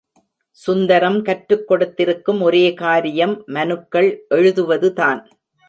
சுதந்தரம் கற்றுக் கொடுத்திருக்கும் ஒரே காரியம் மனுக்கள் எழுதுவதுதான்.